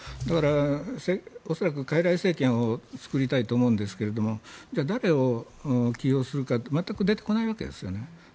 だから、恐らくかいらい政権を作りたいと思うんですがじゃあ、誰を起用するか全く出てこないわけですね。